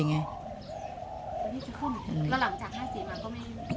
แล้วหลังจาก๕๐มาก็ไม่มี